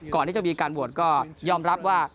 ก่อนที่จะมีการโหวตก็ยอมรับว่า